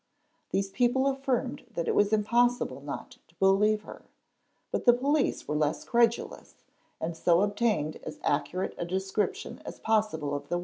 hese people affirmed that _ Wwas impossible not to believe her. But the police were less credu lous and so obtained as accurate a description as possible of the woman